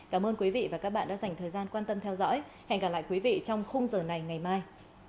cảm ơn quý vị và các bạn đã dành thời gian quan tâm theo dõi hẹn gặp lại quý vị trong khung giờ này ngày mai